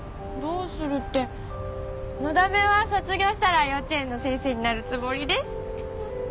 のだめは卒業したら幼稚園の先生になるつもりです。